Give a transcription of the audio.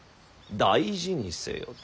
大事にせよと。